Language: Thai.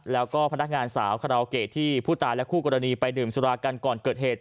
แล้วก็พนักงานสาวคาราโอเกะที่ผู้ตายและคู่กรณีไปดื่มสุรากันก่อนเกิดเหตุ